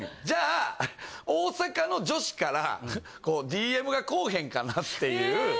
じゃあ、大阪の女子からＤＭが来おへんかなっていう。